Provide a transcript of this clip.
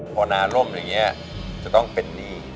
พอนานร่วมแบบนี้จะต้องเป็นดี